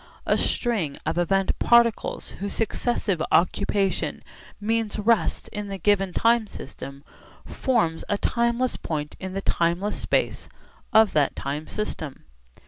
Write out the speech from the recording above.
A string of event particles whose successive occupation means rest in the given time system forms a timeless point in the timeless space of that time system.